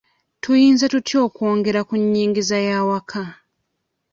Tuyinza tutya okwongera ku nnyingiza y'awaka?